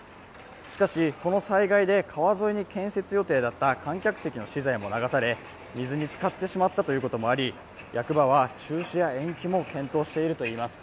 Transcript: しかし、この災害で川沿いに建設予定だった観客席の資材も流され、水につかってしまったということもあり、役場は中止や延期も検討しているといいます。